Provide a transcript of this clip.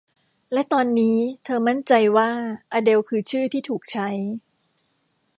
และตอนนี้เธอมั่นใจว่าอเดลคือชื่อที่ถูกใช้